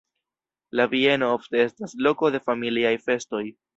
La bieno ofte estas loko de familiaj festoj.